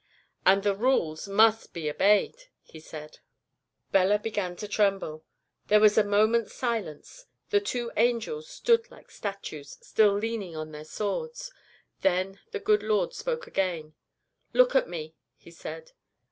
"'And the rules must be obeyed,' He said. "Bella began to tremble. "There was a moment's silence. The two angels stood like statues, still leaning on their swords. Then the good Lord God spoke again. "'Look at Me,' He said.